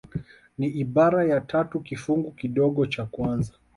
Ni ibara ya tatu kifungu kidogo cha kwanza